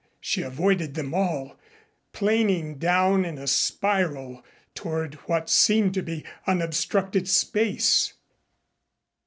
She avoided them all, planing down in a spiral toward what seemed to be unobstructed space.